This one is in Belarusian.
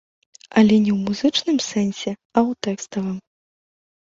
Але не ў музычным сэнсе, а ў тэкставым.